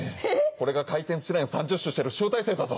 これが回転寿司レーン３０周してる集大成だぞ。